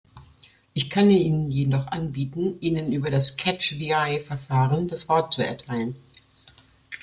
Ich kann Ihnen jedoch anbieten, Ihnen über das "Catch-the-eye"Verfahren das Wort zu erteilen.